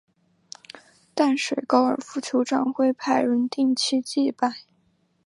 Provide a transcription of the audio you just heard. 淡水高尔夫球场会派人定期祭拜。